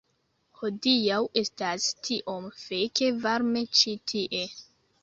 Hodiaŭ estas tiom feke varme ĉi tie